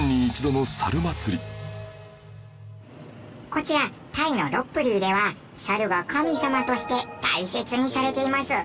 こちらタイのロッブリーではサルは神様として大切にされています。